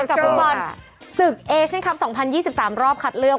กับฟุตบอลศึกเอเชียนคลับ๒๐๒๓รอบคัดเลือก